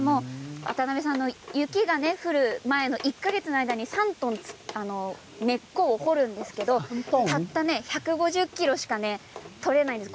渡部さんの雪が降る前の１か月で３トンの根っこを掘るんですがたった１５０ｋｇしか取れないんです。